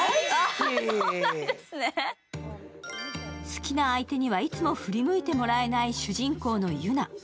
好きな相手にはいつも振り向いてもらえない主人公のユナ。